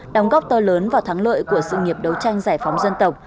đóng góp tơ lớn và thắng lợi của sự nghiệp đấu tranh giải phóng dân tộc